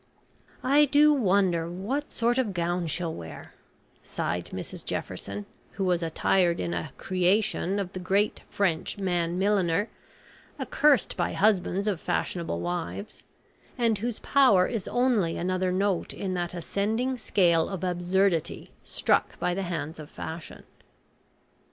"I do wonder what sort of gown she'll wear," sighed Mrs Ray Jefferson, who was attired in a "creation" of the great French man milliner, accursed by husbands of fashionable wives, and whose power is only another note in that ascending scale of absurdity struck by the hands of fashion.